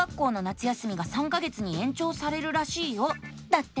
だって！